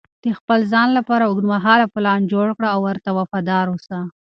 د خپل ځان لپاره اوږدمهاله پلان جوړ کړه او ورته وفادار اوسه.